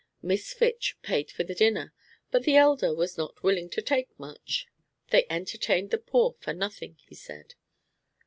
Miss Fitch paid for the dinner; but the elder was not willing to take much. They entertained the poor for nothing, he said.